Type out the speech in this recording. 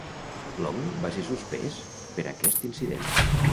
Long va ser suspès per aquest incident.